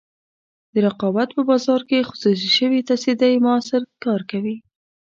د رقابت په بازار کې خصوصي شوې تصدۍ موثر کار کوي.